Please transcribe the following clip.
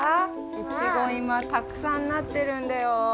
イチゴいまたくさんなってるんだよ。